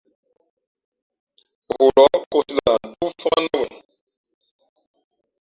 Hulǒh nkōsī lah ntóó fāk nά wen.